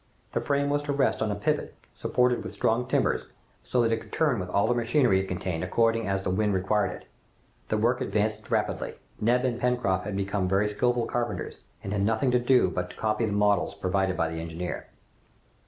The frame was to rest on a pivot supported with strong timbers, so that it could turn with all the machinery it contained according as the wind required it. The work advanced rapidly. Neb and Pencroft had become very skilful carpenters, and had nothing to do but to copy the models provided by the engineer.